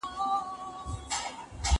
زه بايد تمرين وکړم!